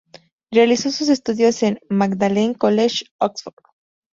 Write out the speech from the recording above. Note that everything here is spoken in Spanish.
Realizó sus estudios en Magdalen College, Oxford.